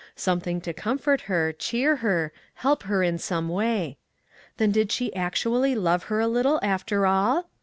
Something to comfort her, cheer her, help her in some way. Then did she actually love her a little, after all